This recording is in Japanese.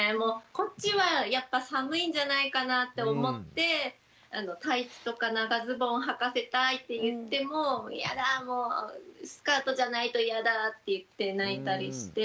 こっちはやっぱ寒いんじゃないかなって思ってタイツとか長ズボンをはかせたいって言っても「嫌だもうスカートじゃないと嫌だ」って言って泣いたりして。